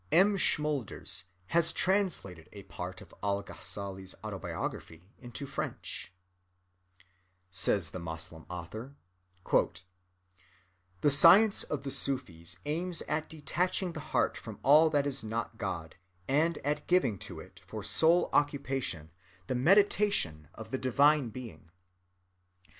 M. Schmölders has translated a part of Al‐Ghazzali's autobiography into French:(246)— "The Science of the Sufis," says the Moslem author, "aims at detaching the heart from all that is not God, and at giving to it for sole occupation the meditation of the divine being.